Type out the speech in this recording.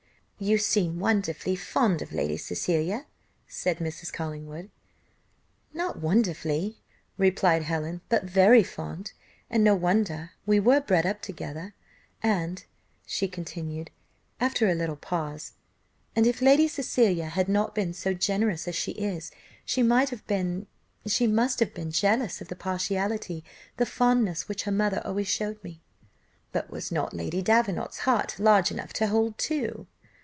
"You seem wonderfully fond of Lady Cecilia," said Mrs. Collingwood. "Not wonderfully," replied Helen, "but very fond, and no wonder, we were bred up together. And" continued she, after a little pause, "and if Lady Cecilia had not been so generous as she is, she might have been she must have been, jealous of the partiality, the fondness, which her mother always showed me." "But was not Lady Davenant's heart large enough to hold two?"